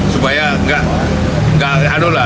supaya tidak tidak adalah